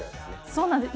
そうなんです。